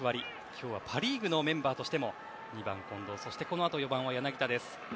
今日はパ・リーグのメンバーとしても２番、近藤そして、このあと４番は柳田です。